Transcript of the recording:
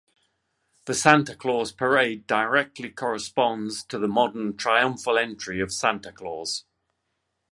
The Santa Claus parade directly corresponds to the modern "triumphal entry" of Santa Claus.